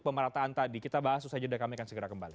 pemerataan tadi kita bahas itu saja dan kami akan segera kembali